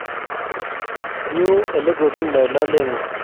Nyuu oligigindeno lolengung